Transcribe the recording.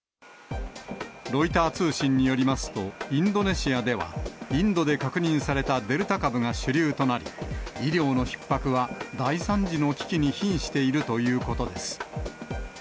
ロイター通信によりますと、インドネシアでは、インドで確認されたデルタ株が主流となり、医療のひっ迫は大惨事の危機にひんしているということです。